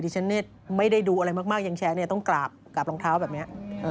ฉันไม่ได้ดูอะไรมากยังแชร์เนี่ยต้องกราบรองเท้าแบบนี้